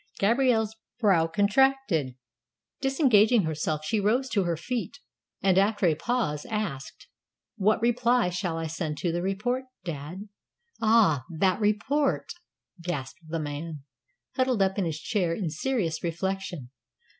Gabrielle's brow contracted. Disengaging herself, she rose to her feet, and, after a pause, asked, "What reply shall I send to the report, dad?" "Ah, that report!" gasped the man, huddled up in his chair in serious reflection.